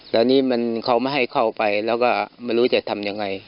แล้วนี่มันเขาไม่ให้เข้าไปแล้วก็ไม่รู้จะทำยังไง